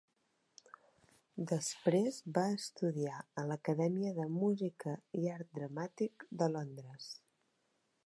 Després va estudiar a l'Acadèmia de Música i Art Dramàtic de Londres.